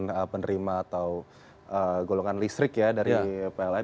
kemudian penerima atau golongan listrik ya dari pln